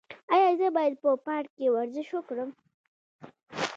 ایا زه باید په پارک کې ورزش وکړم؟